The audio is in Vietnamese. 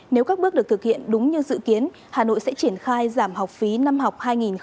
nếu các bước được thực hiện đúng như dự kiến hà nội sẽ triển khai giảm học phí năm học hai nghìn hai mươi hai nghìn hai mươi một